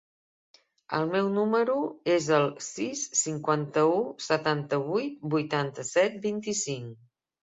El meu número es el sis, cinquanta-u, setanta-vuit, vuitanta-set, vint-i-cinc.